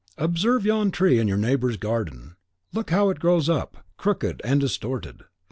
Observe yon tree in your neighbour's garden. Look how it grows up, crooked and distorted.